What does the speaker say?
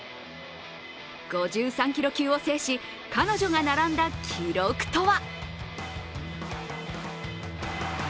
５３キロ級を制し彼女が並んだ記録とは。